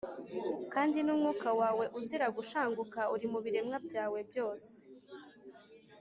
kandi n’umwuka wawe uzira gushanguka, uri mu biremwa byose.